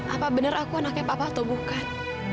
apa benar aku anaknya papa atau bukan